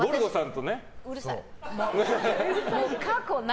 うるさい。